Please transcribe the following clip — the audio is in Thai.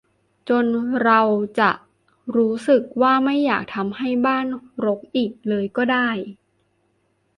จนเราอาจจะรู้สึกว่าไม่อยากทำให้บ้านรกอีกเลยก็ได้